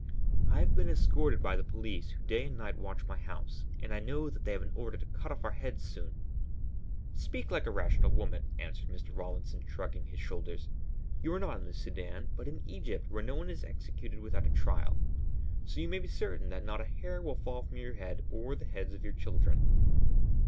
"I have been escorted by the police who day and night watch my house, and I know that they have an order to cut off our heads soon!" "Speak like a rational woman," answered Mr. Rawlinson, shrugging his shoulders. "You are not in the Sudân, but in Egypt where no one is executed without a trial. So you may be certain that not a hair will fall from your head or the heads of your children."